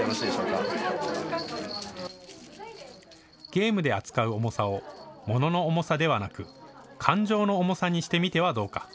ゲームで扱う重さをものの重さではなく感情の重さにしてみてはどうか。